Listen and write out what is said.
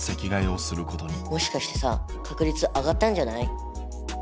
もしかしてさ確率上がったんじゃない？